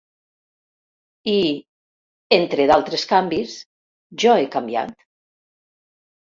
I, entre d"altres canvis, jo he canviat.